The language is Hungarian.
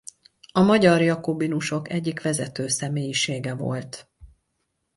A magyar jakobinusok egyik vezető személyisége volt.